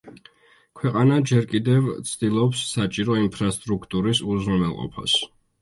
ქვეყანა ჯერ კიდევ ცდილობს საჭირო ინფრასტრუქტურის უზრუნველყოფას.